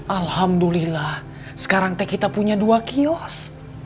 alhamdulillah sekarang teh kita punya dua kios